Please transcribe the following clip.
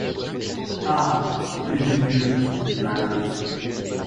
Ah, Jésus Dieu! dit Marguerite.